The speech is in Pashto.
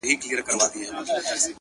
• او نورو په درجه ورته قایل دي ,